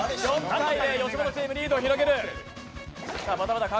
吉本チーム、リードを広げる。